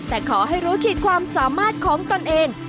แต่ขอให้รู้ขีดความสามารถของตนเอง